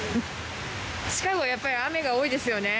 シカゴはやっぱり雨が多いですよね